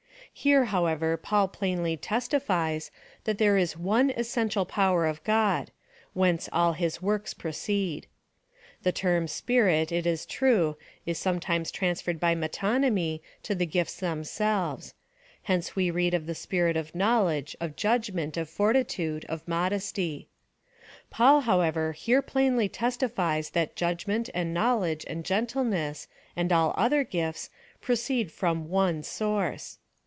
Here, however, Paul plainly testifies, that there is one essential power of God, whence all his works proceed. The term Spirit, it is true, is sometimes trans ferred by metonymy to the gifts themselves. Hence we read of the Spirit of knowledge — of judgment — of fortitude — of modesty .2 Paul, however, here plainly testifies that judgment, and knowledge, and gentleness, and all other gifts, proceed from one source.